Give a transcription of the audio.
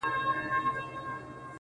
رسېدلی د لېوه په ځان بلاوو!.